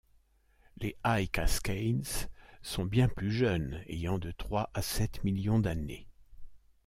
Les High Cascades sont bien plus jeunes, ayant de trois à sept millions d'années.